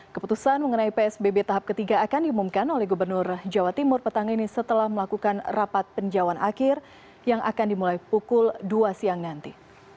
keputusan mengenai psbb tahap ketiga akan diumumkan oleh gubernur jawa timur petang ini setelah melakukan rapat penjawan akhir yang akan dimulai pukul dua siang nanti